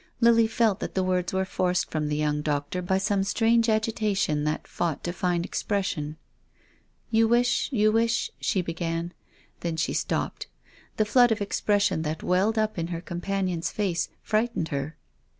Lily felt that the words were forced from the young doctor by some strange agitation that fought to find ex pression. " You wish — you wish —" she began. Then she stopped. The flood of expression that welled up in her companion's face frightened her.